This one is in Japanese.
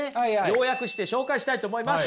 要約して紹介したいと思います。